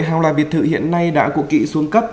hào là biệt thự hiện nay đã cụ kỵ xuống cấp